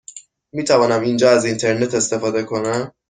می توانم اینجا از اینترنت استفاده کنم؟